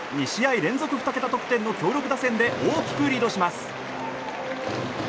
２試合連続２桁得点の強力打線で大きくリードします。